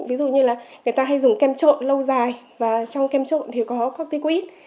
ví dụ như là người ta hay dùng kem trộn lâu dài và trong kem trộn thì có corticoid